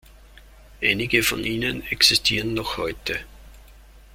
Einige von ihnen existieren noch heute.